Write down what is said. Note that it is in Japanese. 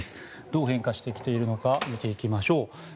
どう変化してきているのか見ていきましょう。